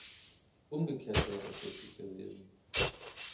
Umgekehrt wäre es richtig gewesen.